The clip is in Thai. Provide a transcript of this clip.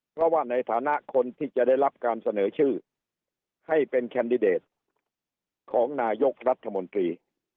เพราะว่าในฐานะคนที่จะได้รับการเสนอชื่อให้เป็นแคนดิเดตของนายกรัฐมนตรี